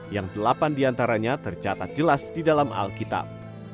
yang delapan diantaranya tercatat jelas di dalam alkitab